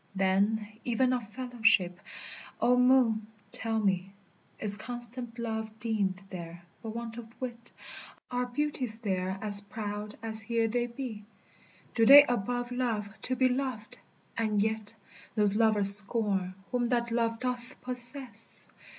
Then, even of fellowship, O Moon, tell me, Is constant love deemed there but want of wit? Are beauties there as proud as here they be? Do they above love to be loved, and yet Those lovers scorn whom that love doth possess?